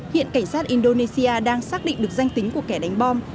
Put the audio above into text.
hiện cảnh sát indonesia đang xác định được danh tính của kẻ đánh bom